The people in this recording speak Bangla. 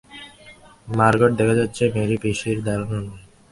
মার্গট দেখা যাচ্ছে মেরী-পিসীর দারুণ অনুরাগী।